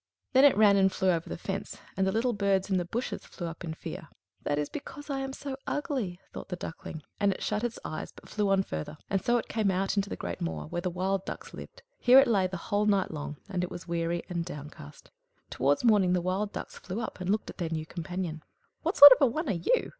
Then it ran and flew over the fence, and the little birds in the bushes flew up in fear. "That is because I am so ugly!" thought the Duckling; and it shut its eyes, but flew on farther, and so it came out into the great moor, where the wild ducks lived. Here it lay the whole night long; and it was weary and downcast. Towards morning the wild ducks flew up, and looked at their new companion. "What sort of a one are you?"